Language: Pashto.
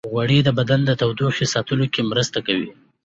غوړې د بدن د تودوخې ساتلو کې مرسته کوي.